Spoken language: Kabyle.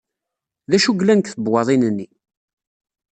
D acu yellan deg tebwaḍin-nni?